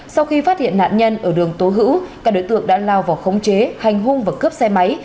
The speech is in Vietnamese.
sau khi phát hiện nạn nhân ở đường tố hữu các đối tượng đã lao vào khống chế hành hung và cướp xe máy